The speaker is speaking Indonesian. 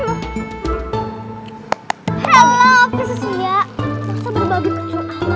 bisa berbagi kecil amat